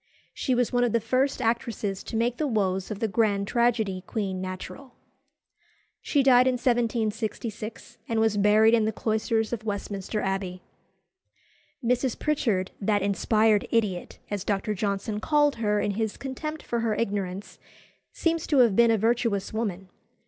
She was one of the first actresses to make the woes of the grand tragedy queen natural. She died in 1766, and was buried in the cloisters of Westminster Abbey. Mrs. Pritchard, that "inspired idiot," as Dr. Johnson called her in his contempt for her ignorance, seems to have been a virtuous woman.